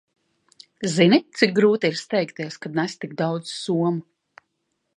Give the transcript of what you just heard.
Zini, cik grūti ir steigties, kad nes tik daudz somu?